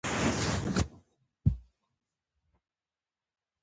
د مثبت نظر لرل د ژوند جوړولو لپاره مهم دي.